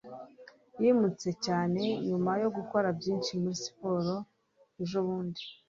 yimutse cyane nyuma yo gukora byinshi muri siporo ejobundi